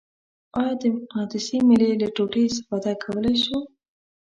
آیا د مقناطیسي میلې له ټوټې استفاده کولی شو؟